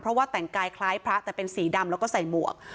เพราะว่าแต่งกายคล้ายพระแต่เป็นสีดำแล้วก็ใส่หมวก